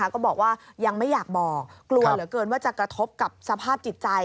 ก็บอกว่ายังไม่อยากบอกกลัวเหลือเกินว่าจะกระทบกับสภาพจิตใจ